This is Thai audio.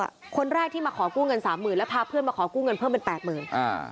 คนแรกที่มาขอกู้เงินสามหมื่นแล้วพาเพื่อนมาขอกู้เงินเพิ่มเป็นแปดหมื่นอ่า